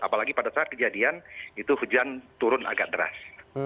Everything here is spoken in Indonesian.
apalagi pada saat kejadian itu hujan turun agak deras